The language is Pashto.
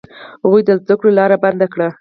هغوی د زده کړو لاره بنده کړه.